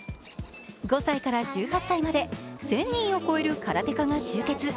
５歳から１８歳まで、１０００人を超える空手家が集結。